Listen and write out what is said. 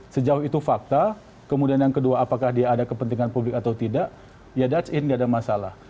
sejauh itu fakta kemudian yang kedua apakah dia ada kepentingan publik atau tidak ya that's it tidak ada masalah